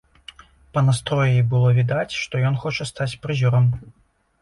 Па настроі было відаць, што ён хоча стаць прызёрам.